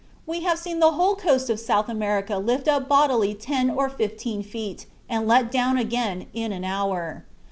We have seen the whole coast of South America lifted up bodily ten or fifteen feet and let down again in an hour.